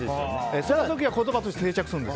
その時は言葉として定着するんです。